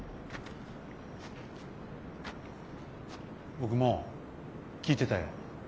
僕も聴いてたよ。